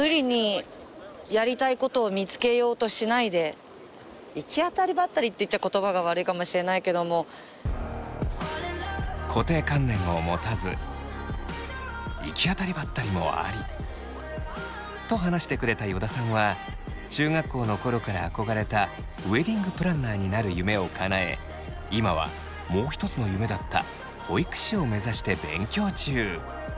これって行き当たりばったりって言ったら言葉が悪いかもしれないけども。と話してくれた依田さんは中学校の頃から憧れたウエディング・プランナーになる夢をかなえ今はもう一つの夢だった保育士を目指して勉強中。